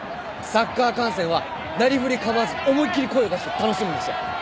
サッカー観戦はなりふり構わず思いっ切り声を出して楽しむんですよ。